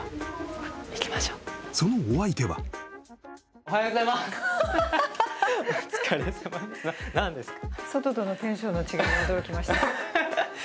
そのお相手はお疲れさまです何ですか？